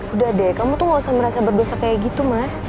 udah deh kamu tuh gak usah merasa berdosa kayak gitu mas